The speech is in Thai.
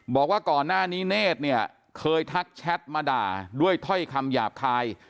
บอกว่าก่อนหน้านี้เนธเนี่ยเคยทักแชทมาด่าด้วยถ้อยคำหยาบคาย